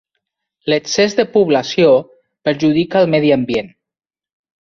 L'excés de població perjudica el medi ambient.